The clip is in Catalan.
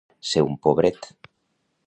Ser un pobret.